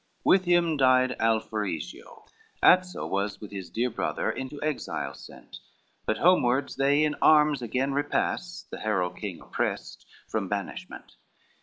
LXXII With him died Alforisio, Azzo was With his dear brother into exile sent, But homeward they in arms again repass— The Herule king oppressed—from banishment.